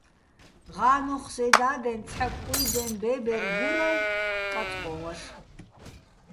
ღა́ნოხ სე და́დენ ცჰ̦ა კუ́ჲდეჼ ბე́ბერ გურალო̆ კაწკო́ჼ ვაშ.